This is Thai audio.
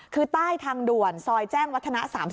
คือใต้ทางด่วนซอยแจ้งวัฒนะ๓๐